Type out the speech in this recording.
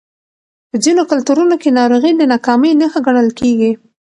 په ځینو کلتورونو کې ناروغي د ناکامۍ نښه ګڼل کېږي.